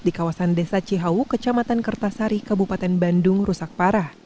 di kawasan desa cihawu kecamatan kertasari kabupaten bandung rusak parah